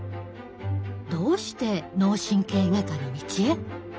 どうして脳神経外科の道へ？